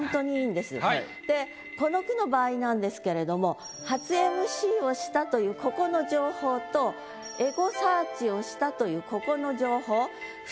でこの句の場合なんですけれども初ＭＣをしたというここの情報とエゴサーチをしたというここの情報ああ。